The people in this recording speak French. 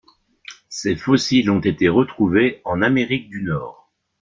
Ses fossiles ont été retrouvés en Amérique du Nord.